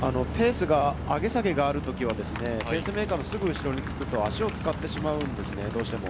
ペースが上げ下げがある時はペースメーカーのすぐ後ろにつくと足を使ってしまうんですね。